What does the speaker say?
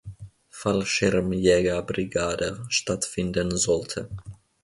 Fallschirmjägerbrigade stattfinden sollte.